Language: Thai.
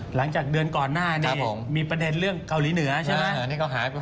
หลังจากเดือนก่อนหน้านี้มีประเด็นเรื่องเกาหลีเหนือใช่ไหม